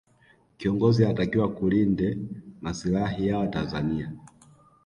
kiongozi anatakiwa kulinde masilahi ya watanzania